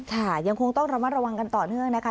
ค่ะยังคงต้องระมัดระวังกันต่อเนื่องนะคะ